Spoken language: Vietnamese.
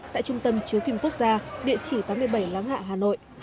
tại trung tâm chiếu phim quốc gia địa chỉ tám mươi bảy láng hạ hà nội